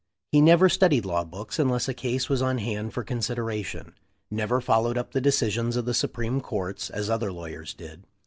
He never studied law books unless a case was on hand for consideration — never fol lowed up the decisions of the supreme courts, as other lawyers did.